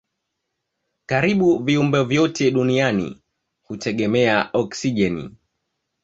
Karibu viumbe vyote duniani hutegemea oksijeni.